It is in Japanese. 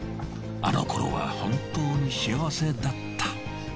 あの頃は本当に幸せだった。